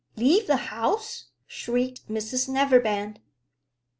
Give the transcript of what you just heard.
"Leave the house!" shrieked Mrs Neverbend.